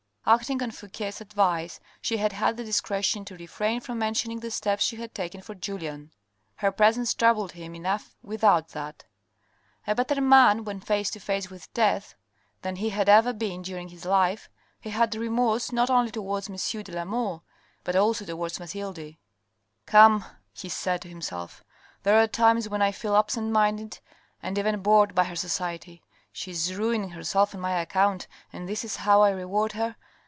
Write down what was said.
Acting on Fouque's advice, she had had the discretion to refrain from mentioning the steps she had taken for Julien. Her presence troubled him enough without that. A better man when face to face with death than he had ever been during his life, he had remorse not only towards M. de la Mole, but also towards Mathilde. " Come," he said to himself, " there are times when I feel absent minded and even bored by her society. She is ruining herself on my account, and this is how I reward her.